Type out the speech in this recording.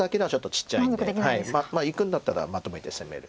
いくんだったらまとめて攻める。